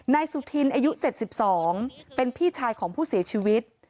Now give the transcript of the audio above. นายสุธินอายุ๗๒เป็นพี่ชายของผู้เสียชีวิต